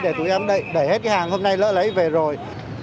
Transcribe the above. để tụi em để hết cái hàng hôm nay lỡ lấy về rồi